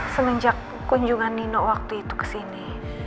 semenjak kunjungan nino waktu itu ke sini